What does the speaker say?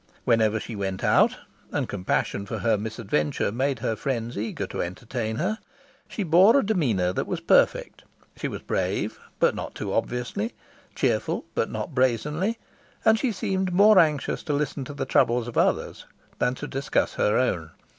Whenever she went out and compassion for her misadventure made her friends eager to entertain her she bore a demeanour that was perfect. She was brave, but not too obviously; cheerful, but not brazenly; and she seemed more anxious to listen to the troubles of others than to discuss her own.